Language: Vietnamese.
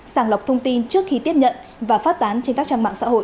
sàng lọc thông tin trước khi tiếp nhận và phát tán trên các trang mạng xã hội